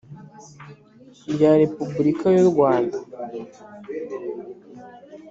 rya Repubulika y u Rwanda